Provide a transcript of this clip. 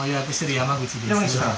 山口さん。